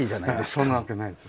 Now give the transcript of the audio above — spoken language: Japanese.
そんなわけないです。